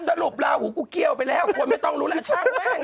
ลาหูกูเกี้ยวไปแล้วคนไม่ต้องรู้แล้วช่างแม่นะ